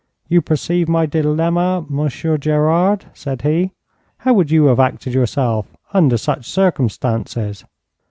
'You perceive my dilemma, Monsieur Gerard,' said he. 'How would you have acted yourself, under such circumstances?'